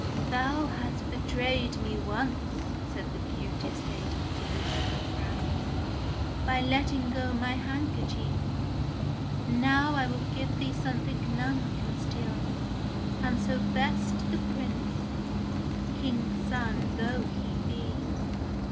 "Thou hast betrayed me once," said the beauteous lady to Lucifer, frowning, "by letting go my handkerchief. Now will I give thee something none can steal, and so best the Prince, King's son though he be."